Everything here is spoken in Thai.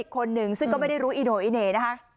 คนหนึ่งซึ่งก็ไม่ได้รู้อีโน่อีเหน่นะคะ